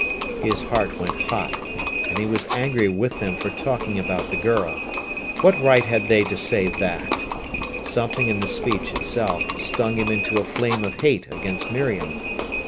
His heart went hot, and he was angry with them for talking about the girl. What right had they to say that? Something in the speech itself stung him into a flame of hate against Miriam.